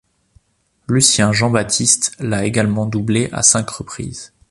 Lucien Jean-Baptiste l'a également doublé à cinq reprises.